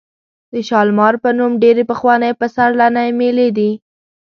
د شالمار په نوم ډېرې پخوانۍ پسرلنۍ مېلې دي.